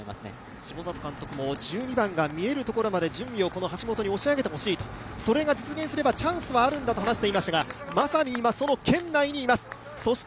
下里監督も順位を橋本に押し上げてほしいとそれが実現すればチャンスはあるんだと話していましたが、まさにその今、圏内にはいます。